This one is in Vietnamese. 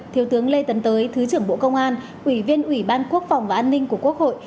thiếu tướng lê tấn tới thứ trưởng bộ công an ủy viên ủy ban quốc phòng và an ninh của quốc hội